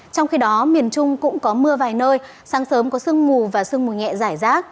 trong khi đó miền trung cũng có mưa vài nơi sáng sớm có sương mù và sương mù nhẹ giải rác